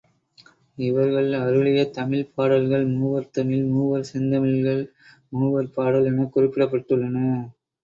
இவர்கள் அருளிய தமிழ்ப் பாடல்கள் மூவர் தமிழ், மூவர் செந்தமிழ்கள், மூவர் பாடல் எனக் குறிப்பிடப்பட்டுள்ளன.